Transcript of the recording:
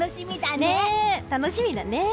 ねえ、楽しみだね。